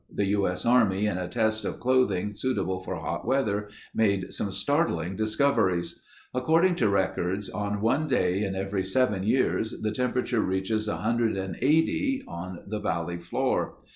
The U.S. Army, in a test of clothing suitable for hot weather made some startling discoveries. According to records, on one day in every seven years the temperature reaches 180 on the valley floor.